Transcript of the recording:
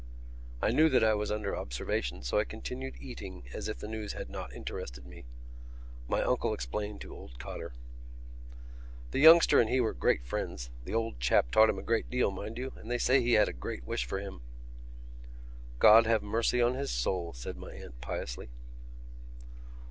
I knew that I was under observation so I continued eating as if the news had not interested me. My uncle explained to old Cotter. "The youngster and he were great friends. The old chap taught him a great deal, mind you; and they say he had a great wish for him." "God have mercy on his soul," said my aunt piously.